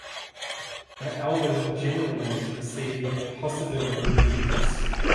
The album generally received positive reviews.